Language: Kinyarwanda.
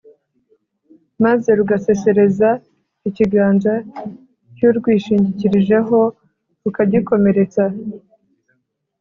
maze rugasesereza ikiganza cy’urwishingikirijeho rukagikomeretsa.